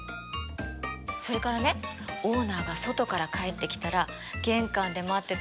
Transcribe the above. それからねオーナーが外から帰ってきたら玄関で待っててお出迎えしてくれるのよ。